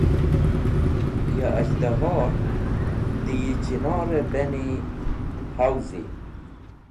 Ya az̃hdahor dẽ yi chinor-e beni yi hawzi.